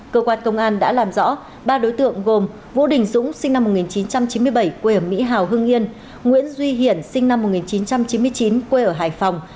cơ quan công an đã làm rõ ba đối tượng gồm vũ đình dũng sinh năm một nghìn chín trăm chín mươi bảy quê ở mỹ hào hưng yên nguyễn duy hiển sinh năm một nghìn chín trăm chín mươi chín quê ở hải phòng